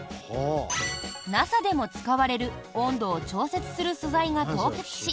ＮＡＳＡでも使われる温度を調節する素材が凍結し